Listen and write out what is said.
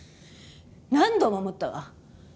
何度も思ったわ。